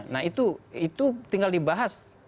nah itu tinggal dibahas